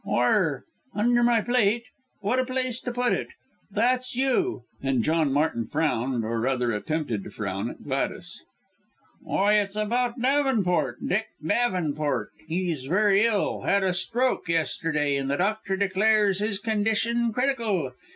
"Where? Under my plate! what a place to put it. That's you," and John Martin frowned, or rather, attempted to frown, at Gladys. "Why it's about Davenport Dick Davenport. He's very ill had a stroke yesterday, and the doctor declares his condition critical.